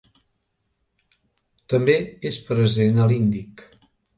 També és present a l'Índic.